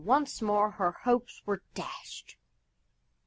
Once more her hopes were dashed!